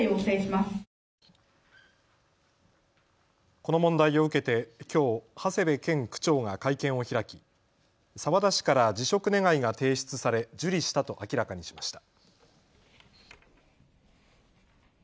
この問題を受けてきょう長谷部健区長が会見を開き澤田氏から辞職願が提出され受理したと明らかにしました。